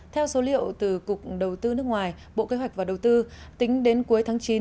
theo số liệu từ cục đầu tư nước ngoài bộ kế hoạch và đầu tư tính đến cuối tháng chín